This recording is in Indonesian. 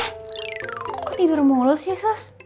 kok tidur mulu sih sus